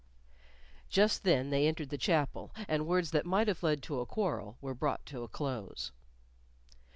Just then they entered the chapel, and words that might have led to a quarrel were brought to a close.